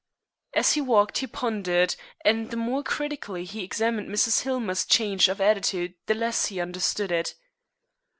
As he walked he pondered, and the more critically he examined Mrs. Hillmer's change of attitude the less he understood it.